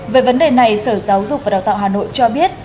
về vấn đề này sở giáo dục và đào tạo hà nội cho biết